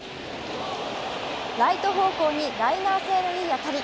ライト方向にライナー性のいい当たり。